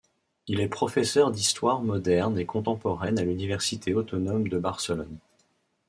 Il est professeur d'histoire moderne et contemporaine à l'université autonome de Barcelone.